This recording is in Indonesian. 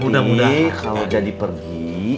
nanti kalau jadi pergi